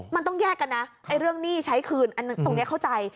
มันต้องแยกกันนะเรื่องเอาเงี่ยใช้คืนตรงนี้เข้าใจ